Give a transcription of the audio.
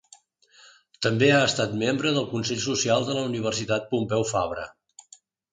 També ha estat membre del Consell Social de la Universitat Pompeu Fabra.